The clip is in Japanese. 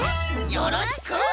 よろしく！